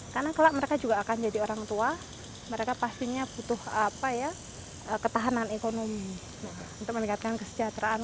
karena kalau mereka juga akan jadi orang tua mereka pastinya butuh apa ya ketahanan ekonomi untuk meningkatkan kesejahteraan